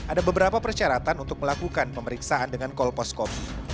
ada beberapa persyaratan untuk melakukan pemeriksaan dengan kolposcopy